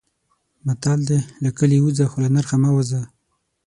متل دی: له کلي ووځه خو له نرخه مه وځه.